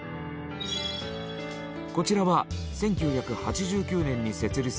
こちらは１９８９年に設立されたトヨタ博物館。